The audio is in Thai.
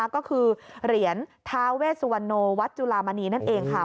ก็คือเหรียญทาเวสัวโนวัตต์จุฬามานีนั่นเองค่ะ